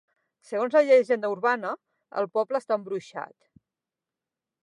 Segons la llegenda urbana, el poble està embruixat.